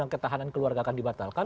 ketahanan keluarga akan dibatalkan